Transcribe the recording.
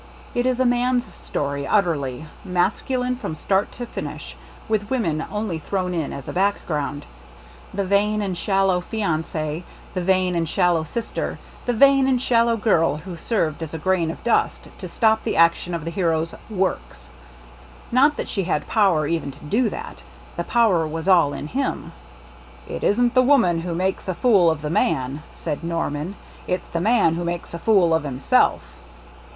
It is a man's story, utterly; mascu line from start to finish; with woman only thrown in as a background; the vain and shallow fiancee, the vain and shallow sister, the vain and shallow girl who served as a grain of dust to stop the action of the hero's "works" ;— not that she had power even to do that — the power was all in him !" 'It isn't the woman who makes a fool of the man,' said Norman, 'it's the man who makes a fool of himself